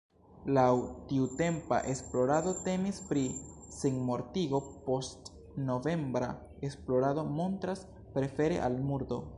Laŭ tiutempa esplorado temis pri sinmortigo, postnovembra esplorado montras prefere al murdo.